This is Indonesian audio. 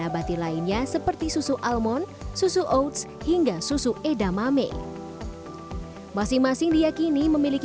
abadi lainnya seperti susu almon susu oats hingga susu edamame masing masing diyakini memiliki